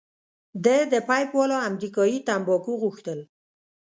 ده د پیپ والا امریکايي تمباکو غوښتل.